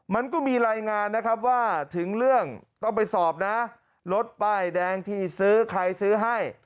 มันก็มีรายงานนะครับว่าถึงเรื่องต้องไปสอบนะรถป้ายแดงที่ซื้อใครซื้อให้